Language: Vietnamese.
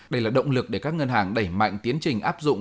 đây là động lực để các ngân hàng đẩy mạnh tiến trình áp dụng